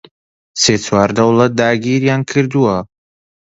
سێ چوار دەوڵەت داگیریان کردووە